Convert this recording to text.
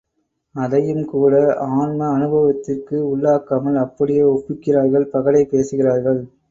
அதையும்கூட ஆன்ம அனுபவத்திற்கு உள்ளாக்காமல் அப்படியே ஒப்பிக்கிறார்கள் பகடை பேசுகிறார்கள்.